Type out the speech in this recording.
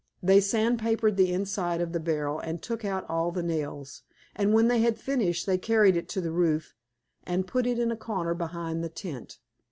They sandpapered the inside of the barrel and took out all the nails, and when they had finished they carried it to the roof and put it in a corner behind the tent.